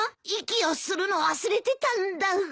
息をするの忘れてたんだ。